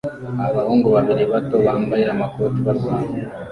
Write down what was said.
Abahungu babiri bato bambaye amakoti barwana